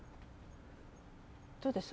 どうです？